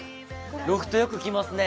ロフトよく来ますね